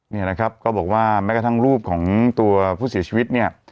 นี่นะครับก็บอกว่าแม้กระทั่งรูปของตัวผู้เสียชีวิตเนี่ย